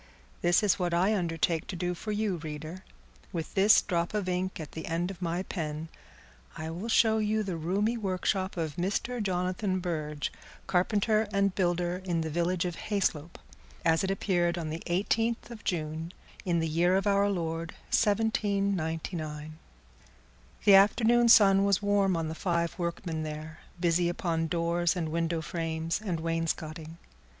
This is what I undertake to do for you, reader. With this drop of ink at the end of my pen, I will show you the roomy workshop of Mr. Jonathan Burge, carpenter and builder, in the village of Hayslope, as it appeared on the eighteenth of June, in the year of our Lord 1799. The afternoon sun was warm on the five workmen there, busy upon doors and window frames and wainscoting.